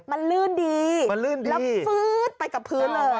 มันลื่นดีแล้วฟื้ดไปกับพื้นเลย